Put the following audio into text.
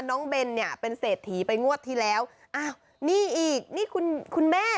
เบนเนี่ยเป็นเศรษฐีไปงวดที่แล้วอ้าวนี่อีกนี่คุณคุณแม่